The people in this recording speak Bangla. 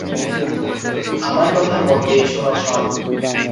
আমার কথা মন দিয়ে শোনো, শন।